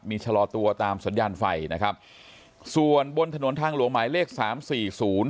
มีชะลอตัวตามสัญญาณไฟนะครับส่วนบนถนนทางหลวงหมายเลขสามสี่ศูนย์